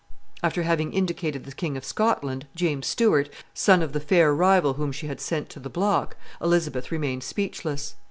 After having indicated the King of Scotland, James Stuart, son of the fair rival whom she had sent to the block, Elizabeth remained speechless.